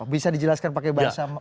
bisa dijelaskan pakai bahasa